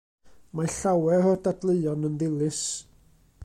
Mae llawer o'r dadleuon yn ddilys.